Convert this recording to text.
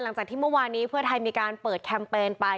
หลังจากที่เมื่อวานนี้เพื่อไทยมีการเปิดแคมเปญไป